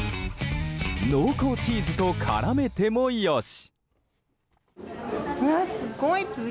濃厚チーズと絡めてもよし。